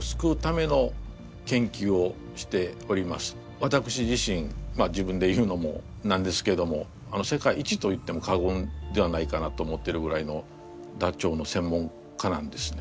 わたくし自身自分で言うのもなんですけども世界一と言っても過言ではないかなと思ってるぐらいのダチョウの専門家なんですね。